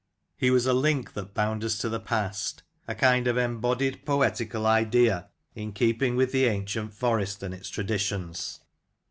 He was a link that, bound us to the past; a kind of embodied poetical idea in keeping with the ancient Forest and its traditions.